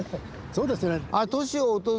そうですよね！